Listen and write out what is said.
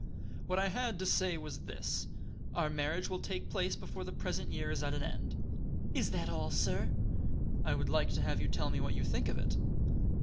What I had to say was this: Our marriage will take place before the present year is at an end." "Is that all, sir?" "I would like to have you tell me what you think of it?"